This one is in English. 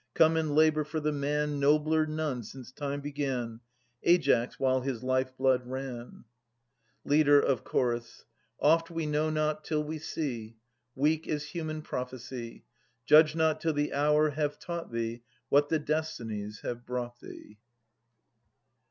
Come and labour for the man, Nobler none since time began, Aias, while his life blood ran. Leader of Ch. Oft we know not till we see. Weak is human prophecy, fudge not, till the hour have taught thee What the destinies have brought thee.